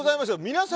皆さん